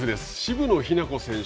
渋野日向子選手